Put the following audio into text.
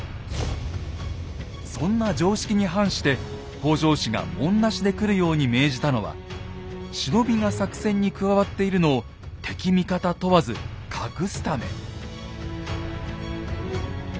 そんな常識に反して北条氏が紋なしで来るように命じたのは忍びが作戦に加わっているのを敵味方問わず隠すため。